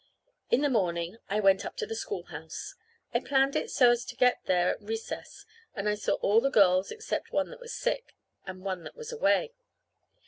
In the morning I went up to the schoolhouse. I planned it so as to get there at recess, and I saw all the girls except one that was sick, and one that was away.